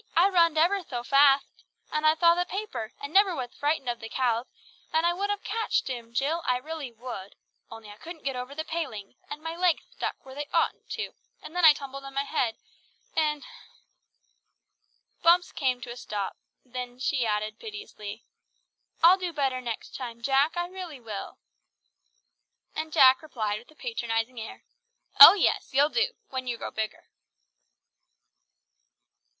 I runned ever so fatht. And I thaw the paper, and never wath frightened of the cowth, and I would have catched him, Jill, I really would, only I couldn't get over the palings, and my legs thtuck where they oughtn't to, and then I tumbled on my head and and " Bumps came to a stop; then she added piteously, "I'll do better next time, Jack. I really will." And Jack replied with a patronising air. "Oh yes, you'll do, when you grow bigger."